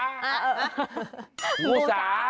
งูสา